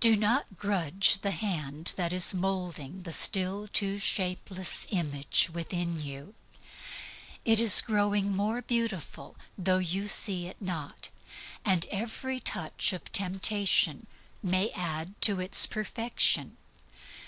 Do not grudge the hand that is moulding the still too shapeless image within you. It is growing more beautiful, though you see it not; and every touch of temptation may add to its perfection.